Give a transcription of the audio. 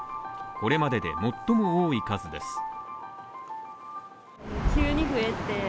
これまでで最も多い数です。